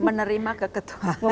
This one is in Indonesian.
menerima keketuaan oke